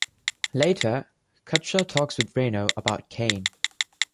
Later, Cutshaw talks with Reno about Kane.